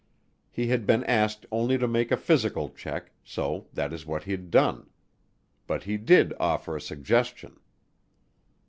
He had been asked only to make a physical check, so that is what he'd done, but he did offer a suggestion.